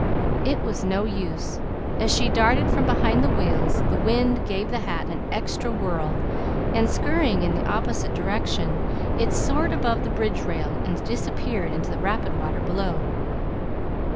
It was no use; as she darted from behind the wheels the wind gave the hat an extra whirl, and scurrying in the opposite direction it soared above the bridge rail and disappeared into the rapid water below.